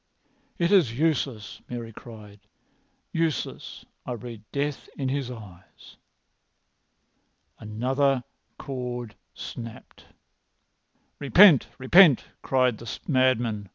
"It is useless!" Mary cried. "Useless! I read death in his eyes." Another cord had snapped. "Repent! Repent!" cried the madman.